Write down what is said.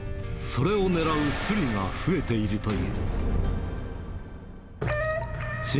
それを狙うすりが増えているといいます。